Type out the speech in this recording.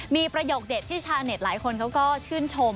มีประโยคเด็ดที่ชาวเน็ตหลายคนเขาก็ชื่นชม